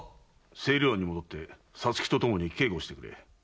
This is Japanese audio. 清涼庵に戻って皐月とともに警護してくれ。